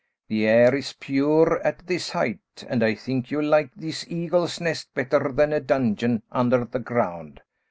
The air is pure at this height, and I think you'll like this eagle's nest better than a dungeon under the ground.